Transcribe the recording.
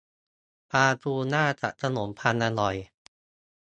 ปลาทูน่ากับขนมปังอร่อย